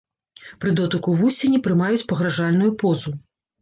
Пры дотыку вусені прымаюць пагражальную позу.